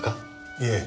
いえ。